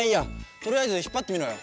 とりあえずひっぱってみろよ。